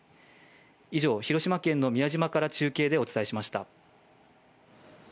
以上、広島県の宮島から中継でお伝えしました。